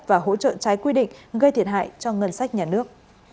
và hỗ trợ trái quy định gây thiệt hại cho ngân sách nhà nước